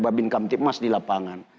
babin kamtipmas di lapangan